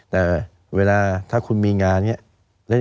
แต่เวลาถ้าคุณมีงานอย่างนี้